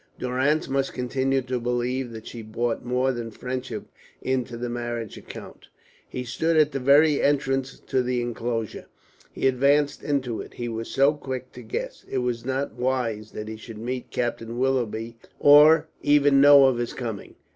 Durrance must continue to believe that she brought more than friendship into the marriage account. He stood at the very entrance to the enclosure; he advanced into it. He was so quick to guess, it was not wise that he should meet Captain Willoughby or even know of his coming.